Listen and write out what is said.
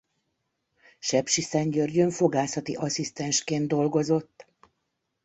Sepsiszentgyörgyön fogászati asszisztensként dolgozott.